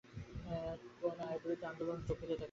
ক্রমে আইয়ুববিরোধী আন্দোলন বেগ পেতে থাকে।